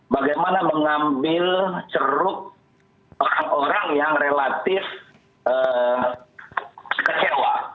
bagaimana mengambil ceruk orang orang yang relatif kecewa